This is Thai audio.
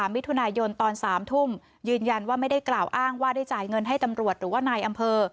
มิถุนายนตอน๓ทุ่มยืนยันว่าไม่ได้กล่าวอ้างว่าได้จ่ายเงินให้ตำรวจหรือว่านายอำเภอ